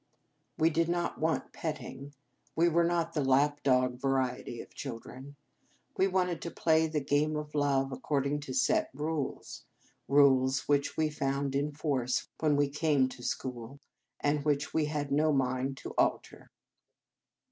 We did not want petting. We were not the lap dog variety of children. We wanted to play the game of love according to set rules, rules which we found in force when we came to school, and which we had no mind to alter.